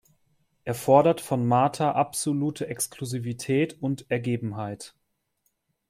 Er fordert von Martha absolute Exklusivität und Ergebenheit.